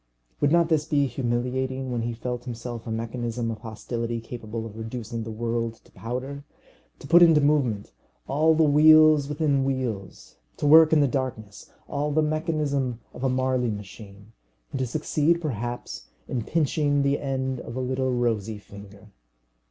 Would not this be humiliating, when he felt himself a mechanism of hostility capable of reducing the world to powder! To put into movement all the wheels within wheels, to work in the darkness all the mechanism of a Marly machine, and to succeed perhaps in pinching the end of a little rosy finger!